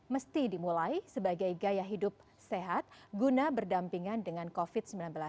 mesti dimulai sebagai gaya hidup sehat guna berdampingan dengan covid sembilan belas